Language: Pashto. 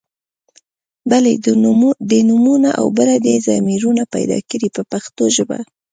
بله دې نومونه او بله دې ضمیرونه پیدا کړي په پښتو ژبه.